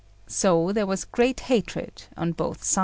So there was great hatred on both sides.